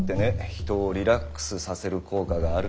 人をリラックスさせる効果がある。